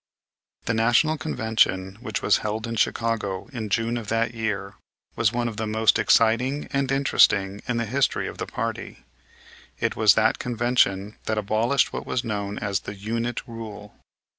The National Convention, which was held in Chicago in June of that year, was one of the most exciting and interesting in the history of the party. It was that convention that abolished what was known as "the unit rule."